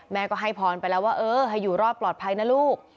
แม่ก็ให้พรไปแล้วว่าเออให้อยู่รอดปลอดภัยนะลูก